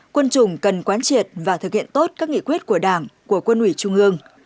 quân chủng cần quán triệt và thực hiện tốt các nghị quyết của đảng của quân ủy trung ương